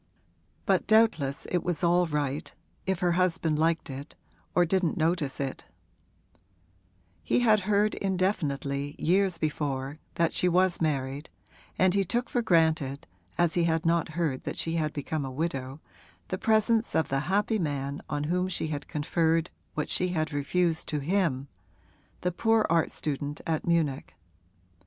But doubtless it was all right, if her husband liked it or didn't notice it: he had heard indefinitely, years before, that she was married, and he took for granted (as he had not heard that she had become a widow) the presence of the happy man on whom she had conferred what she had refused to him, the poor art student at Munich.